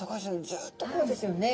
ずっとこうですよね。